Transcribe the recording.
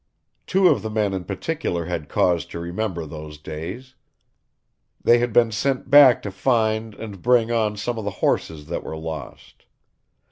Two of the men in particular had cause to remember those days. They had been sent back to find and bring on some of the horses that were lost.